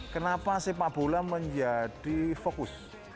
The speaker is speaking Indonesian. kenapa sepak bola menjadi fokus